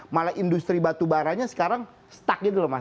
malah industri batu baranya sekarang stuck gitu loh mas